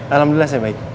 alhamdulillah saya baik